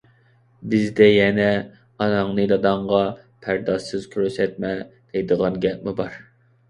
بىزدە يەنە: «ئاناڭنى داداڭغا پەردازسىز كۆرسەتمە» دەيدىغان گەپمۇ بار.